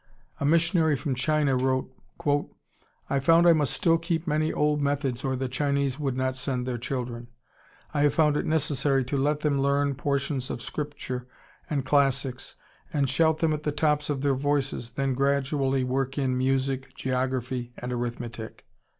A missionary from China wrote, "I found I must still keep many old methods or the Chinese would not send their children. I have found it necessary to let them learn portions of Scripture and classics and shout them at the tops of their voices, then gradually work in music, geography, and arithmetic."